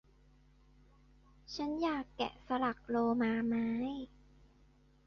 ฉันอยากแกะสลักโลมาไม้